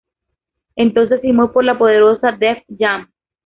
Entonces firmó por la poderosa Def Jam.